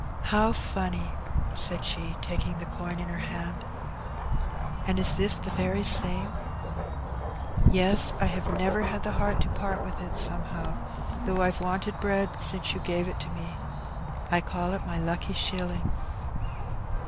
" How funny I " said she, taking the coin in her hand ;" and is this the very same ?" "Yes; I have never had the heart to part with it, somehow, though I've wanted bread since you gave it to me. I call it my lucky shilling."